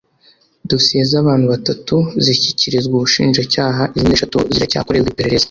dosiye z’abantu batatu zishyikirizwa ubushinjacyaha izindi eshatu ziracyakorerwa iperereza;